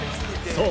そう。